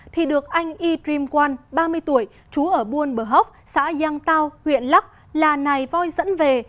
thì được anh e dream quan ba mươi tuổi trú ở buôn bờ hóc xã giang tao huyện lắc là này voi dẫn về